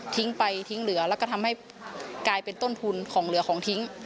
ทิ้งไปทิ้งเหลือแล้วก็ทำให้กลายเป็นต้นทุนของเหลือของทิ้ง